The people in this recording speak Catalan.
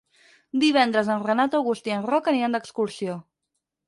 Divendres en Renat August i en Roc aniran d'excursió.